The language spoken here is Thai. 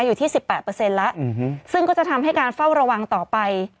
อยู่ที่๑๘แล้วซึ่งก็จะทำให้การเฝ้าระวังต่อไป